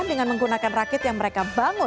dengan menggunakan rakit yang mereka bangun